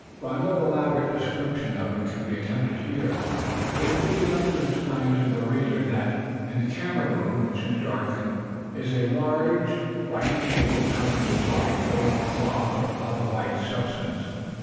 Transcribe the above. While no elaborate description of it can be attempted here, it will be enough to explain to the reader that, in the camera room, which is darkened, is a large white table covered with white oil cloth, or other white substance.